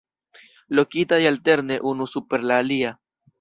Lokitaj alterne unu super la alia.